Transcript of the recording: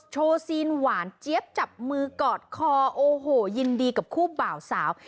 ซีนหวานเจี๊ยบจับมือกอดคอโอ้โหยินดีกับคู่บ่าวสาว